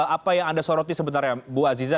apa yang anda soroti sebenarnya bu aziza